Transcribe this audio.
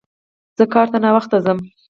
زه کار ته ناوخته ځم